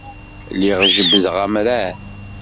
Lliɣ jebbdeɣ amrar.